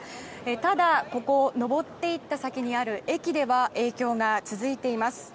ただ、ここを上っていった先にある駅では影響が続いています。